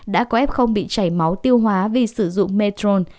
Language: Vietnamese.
đã có f bị chảy máu tiêu hóa vì sử dụng metro